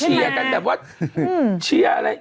โฉียกันแบบว่าโฉียอะไร